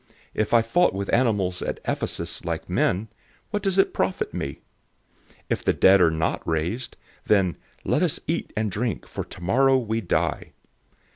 015:032 If I fought with animals at Ephesus for human purposes, what does it profit me? If the dead are not raised, then "let us eat and drink, for tomorrow we die."